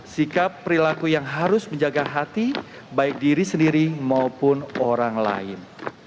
sikap perilaku yang harus menjaga hati baik diri sendiri maupun orang lain